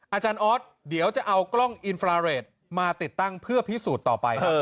อาจารย์ออสเดี๋ยวจะเอากล้องอินฟราเรทมาติดตั้งเพื่อพิสูจน์ต่อไป